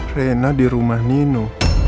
rayana di rumah nino